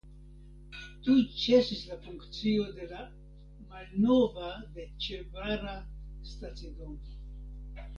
Tuj ĉesis la funkcio de la malnova de ĉe Vara stacidomo.